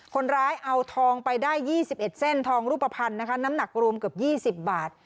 คนร้ายเอาทองไปได้ยี่สิบเอ็ดเส้นทองรูปภัณฑ์นะคะน้ำหนักกระรูมเกือบยี่สิบบาท